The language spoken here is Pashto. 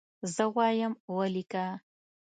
زه وایم ولیکه.